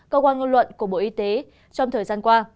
cơ quan ngôn luận của bộ y tế trong thời gian qua